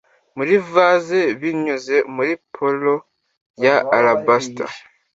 muri vase, binyuze muri pallor ya alabaster